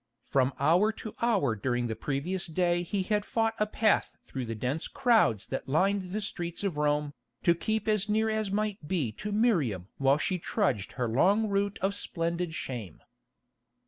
From hour to hour during the previous day he had fought a path through the dense crowds that lined the streets of Rome, to keep as near as might be to Miriam while she trudged her long route of splendid shame.